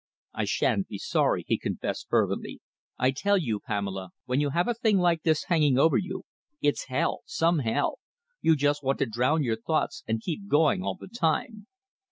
"I shan't be sorry," he confessed fervently. "I tell you, Pamela, when you have a thing like this hanging over you, it's hell some hell! You just want to drown your thoughts and keep going all the time."